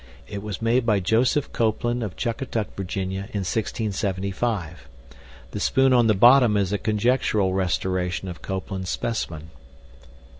IT WAS MADE BY JOSEPH COPELAND OF CHUCKATUCK, VA., IN 1675. THE SPOON ON THE BOTTOM IS A CONJECTURAL RESTORATION OF COPELAND'S SPECIMEN.